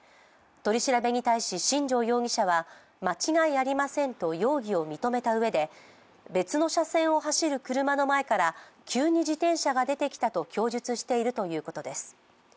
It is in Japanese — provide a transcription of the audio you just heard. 取り調べに対し新庄容疑者は、間違いありませんと容疑を認めたうえで別の車線を走る車の前から急に自転車が出てきたと供述しているということです。